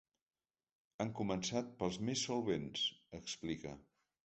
Han començat pels més solvents, explica.